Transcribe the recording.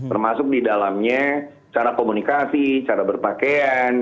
termasuk di dalamnya cara komunikasi cara berpakaian